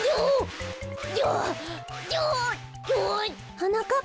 はなかっ